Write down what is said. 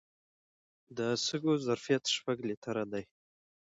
د سږو ظرفیت شپږ لیټره دی.